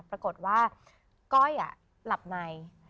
ปรากฏว่าก้อยหลับใน